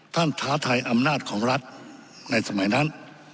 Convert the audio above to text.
ท้าทายอำนาจของรัฐในสมัยนั้น